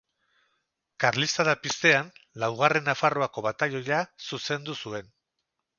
Karlistada piztean, laugarren Nafarroako batailoia zuzendu zuen.